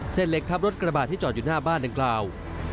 เหล็กทับรถกระบาดที่จอดอยู่หน้าบ้านดังกล่าว